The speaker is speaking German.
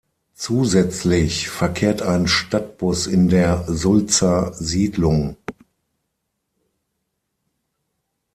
Zusätzlich verkehrt ein Stadtbus in der Sulzer Siedlung.